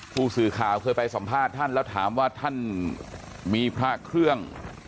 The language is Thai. ผู้สื่อข่าวเคยไปสัมภาษณ์ท่านแล้วถามว่าท่านมีพระเครื่อง